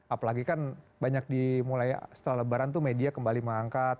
apalagi kan banyak dimulai setelah lebaran itu media kembali mengangkat